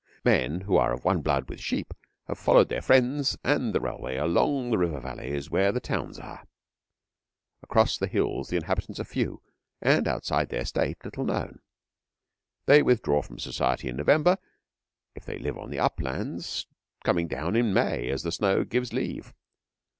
Men, who are of one blood with sheep, have followed their friends and the railway along the river valleys where the towns are. Across the hills the inhabitants are few, and, outside their State, little known. They withdraw from society in November if they live on the uplands, coming down in May as the snow gives leave.